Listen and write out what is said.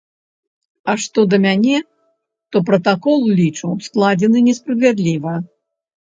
А што да мяне, то пратакол, лічу, складзены несправядліва.